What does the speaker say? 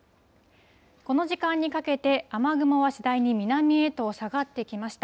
この時間にかけて、雨雲はしだいに南へと下がってきました。